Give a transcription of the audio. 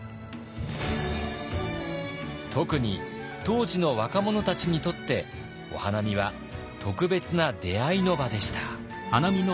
特に当時の若者たちにとってお花見は特別な出会いの場でした。